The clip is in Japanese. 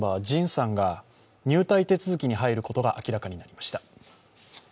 ＪＩＮさんが、入隊手続きに入ることが明らかになりました。